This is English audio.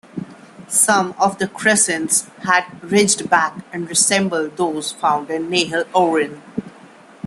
Some of the crescents had ridged backs and resembled those found at Nahal Oren.